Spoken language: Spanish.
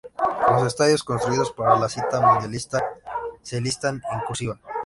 Los estadios construidos para la cita mundialista se listan en "cursiva".